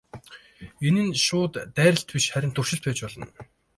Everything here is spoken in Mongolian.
Энэ нь шууд дайралт биш харин туршилт байж болно.